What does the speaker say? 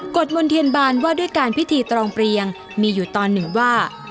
ดมนเทียนบานว่าด้วยการพิธีตรองเปรียงมีอยู่ตอนหนึ่งว่า